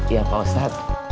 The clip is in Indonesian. iya pak ustadz